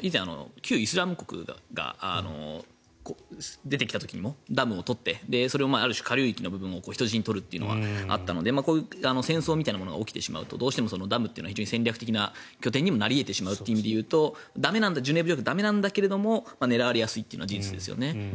以前、旧イスラム国が出てきた時にもダムを取ってそれをある種、下流域の部分を人質に取るというのはあったので戦争みたいなものが起きてしまうとどうしてもダムというのは非常に戦略的な拠点にもなり得てしまうというとジュネーブ条約で駄目なんだけど狙われやすいのは事実ですよね。